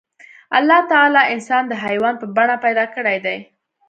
الله تعالی انسان د حيوان په بڼه پيدا کړی دی.